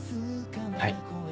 はい。